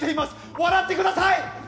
笑ってください！